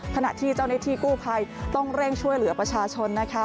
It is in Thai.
ขณะที่เจ้าหน้าที่กู้ภัยต้องเร่งช่วยเหลือประชาชนนะคะ